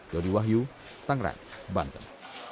jody wahyu tangrat banten